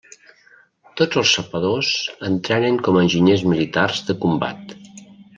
Tots els sapadors entrenen com a enginyers militars de combat.